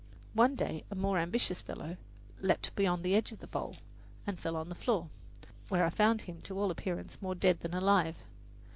One day a more ambitious fellow leaped beyond the edge of the bowl and fell on the floor, where I found him to all appearance more dead than alive.